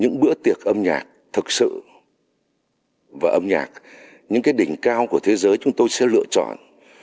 những bữa tiệc âm nhạc thực sự và âm nhạc những cái đỉnh cao của thế giới chúng tôi sẽ lựa chọn